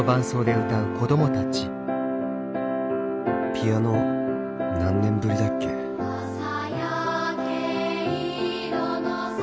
ピアノ何年ぶりだっけ「朝焼け色の空に」